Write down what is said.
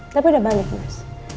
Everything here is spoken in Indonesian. tapi udah balik mas